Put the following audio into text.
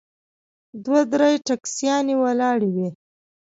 دوه درې ټیکسیانې ولاړې وې.